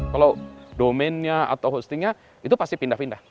kalau domennya atau hostingnya itu pasti pindah pindah